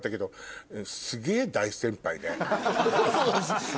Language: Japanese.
そうです。